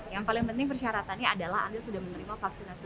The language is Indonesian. yang paling penting persyaratannya adalah anda sudah menerima vaksinasi